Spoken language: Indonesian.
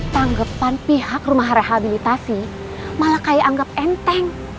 tanggapan pihak rumah rehabilitasi malah kayak anggap enteng